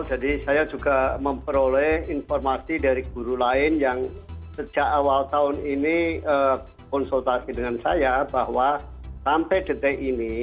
jadi saya juga memperoleh informasi dari guru lain yang sejak awal tahun ini konsultasi dengan saya bahwa sampai detik ini